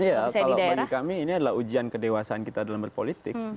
iya kalau bagi kami ini adalah ujian kedewasaan kita dalam berpolitik